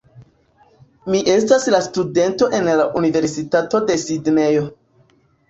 Mi estas la studento en la Universitato de Sidnejo